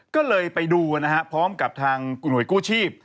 ก็เลยไปดูนะฮะพร้อมกับทางหน่วยกู้ชีพ